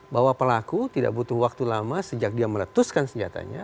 bahwa pelaku tidak butuh waktu lama sejak dia meletuskan senjatanya